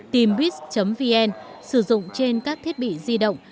tìmbis vn sử dụng trên các thiết bị di động